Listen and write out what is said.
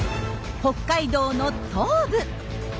北海道の東部。